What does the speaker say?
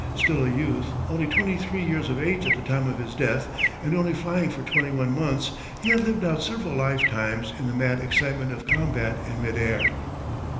Still a youth, only twenty three years of age at the time of his death, and only flying for twenty one months, he had lived out several life times in the mad excitement of combat in mid air.